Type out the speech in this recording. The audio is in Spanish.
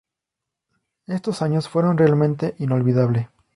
Estos años fueron realmente inolvidable.